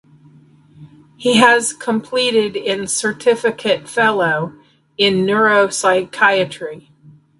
He has completed in Certificate Fellow in Neuropsychiatry.